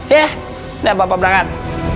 ya udah bapak berangkat